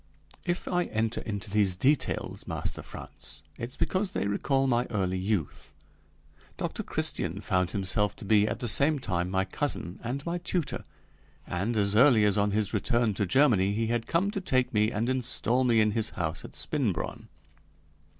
If I enter into these details, Master Frantz, it's because they recall my early youth; Dr. Christian found himself to be at the same time my cousin and my tutor, and as early as on his return to Germany he had come to take me and install me in his house at Spinbronn.